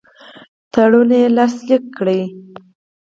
تړون لاسلیک کړي.